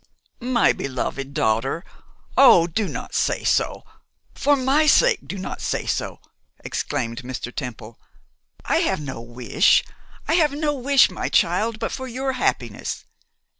'My beloved daughter, oh! do not say so! For my sake, do not say so,' exclaimed Mr. Temple. 'I have no wish, I have had no wish, my child, but for your happiness.